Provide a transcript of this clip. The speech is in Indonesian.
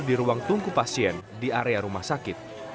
di ruang tunggu pasien di area rumah sakit